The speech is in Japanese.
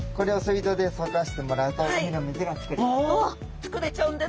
つくれちゃうんです